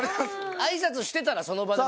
挨拶してたらその場で。